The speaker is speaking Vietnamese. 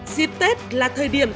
dịp tết là thời điểm